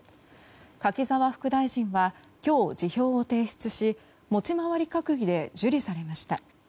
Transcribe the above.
柿沢副大臣は今日辞表を提出し持ち回り閣議で受理されました。